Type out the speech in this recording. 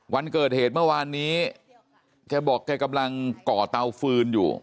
วันเกิดเหตุเมื่อวานนี้แกบอกแกกำลังก่อเตาฟืนอยู่